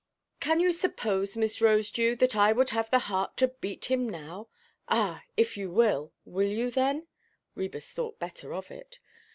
"Can you suppose, Miss Rosedew, that I would have the heart to beat him now?—Ah, you will, will you then?" Ræbus thought better of it.